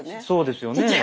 そうですよね。